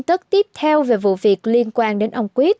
những tin tức tiếp theo về vụ việc liên quan đến ông quyết